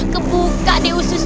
kebuka deh usus